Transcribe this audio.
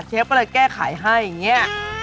เชฟก็เลยแก้ไขให้อย่างนี้